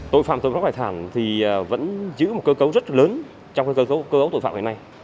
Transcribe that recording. tội phạm tội pháp hải thản thì vẫn giữ một cơ cấu rất lớn trong cơ cấu tội phạm ngày nay